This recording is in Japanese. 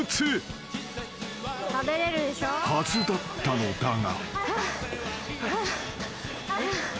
［はずだったのだが］